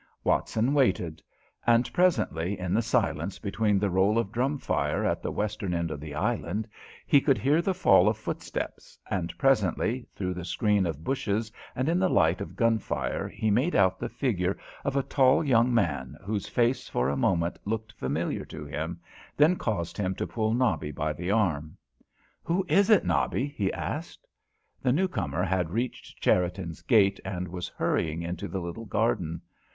Watson waited. And presently, in the silence between the roll of drumfire at the western end of the island, he could hear the fall of footsteps, and presently, through the screen of bushes, and in the light of gunfire he made out the figure of a tall young man, whose face for a moment looked familiar to him, then caused him to pull Nobby by the arm. "Who is it, Nobby?" he asked. The new comer had reached Cherriton's gate and was hurrying into the little garden.